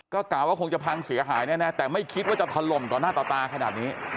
ก็กล่าวว่าคงจะพังเสียหายแน่แต่ไม่คิดว่าจะถล่มต่อหน้าต่อตาขนาดนี้